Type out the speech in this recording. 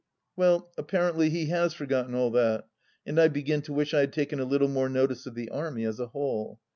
Well, apparently he has forgotten all that. And I begin to wish I had taken a little more notice of the Army as a whole.